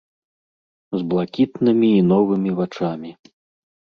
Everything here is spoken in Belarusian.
З блакітнымі і новымі вачамі.